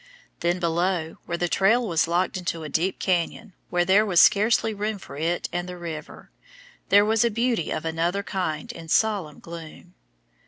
Then below, where the trail was locked into a deep canyon where there was scarcely room for it and the river, there was a beauty of another kind in solemn gloom.